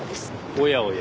おやおや。